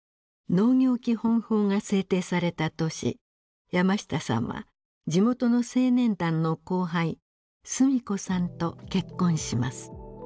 農業基本法が制定された年山下さんは地元の青年団の後輩須美子さんと結婚します。